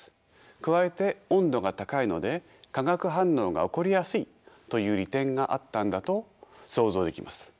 加えて温度が高いので化学反応が起こりやすいという利点があったんだと想像できます。